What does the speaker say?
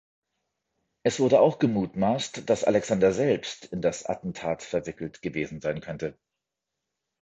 Es wurde auch gemutmaßt, dass Alexander selbst in das Attentat verwickelt gewesen sein könnte.